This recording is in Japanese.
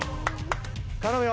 「頼むよ！」